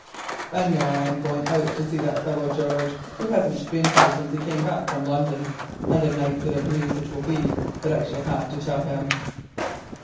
And now I am going out to see that fellow George, who hasn't been here since he came back from London, and a nice bit of news it will be that I shall have to tell him."